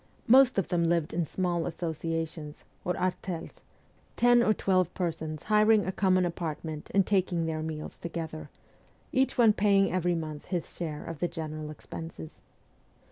Most of them lived in small associations, or arttls, ten or twelve persons hiring a common apartment and taking their meals together, each one paying every month his share of the general expenses.